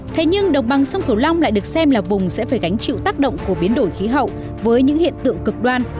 thế nhưng đồng bằng sông cửu long lại được xem là vùng sẽ phải gánh chịu tác động của biến đổi khí hậu với những hiện tượng cực đoan